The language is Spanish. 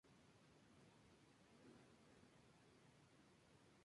Y la tercer en la provincia de El Oro.